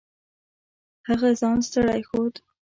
هغه ځان ستړی ښود.